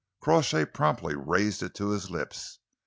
Crawshay promptly raised it to his lips.